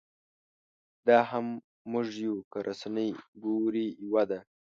دا هم موږ یو که رسنۍ ګورې یوه ده.